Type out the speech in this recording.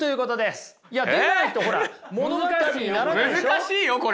難しいよこれ。